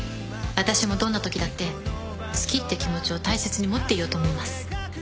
私もどんなときだって好きって気持ちを大切に持っていようと思います。